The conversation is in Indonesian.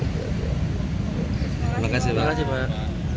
terima kasih pak